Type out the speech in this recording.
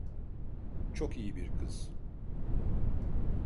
Çok iyi bir kız.